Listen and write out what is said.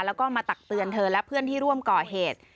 แล้วก็มาตักเตือนเธอและเพื่อนที่ร่วมก่อเหตุ